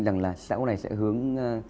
rằng là xã hội này sẽ hướng